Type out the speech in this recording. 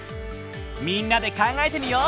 みんなで考えてみよう！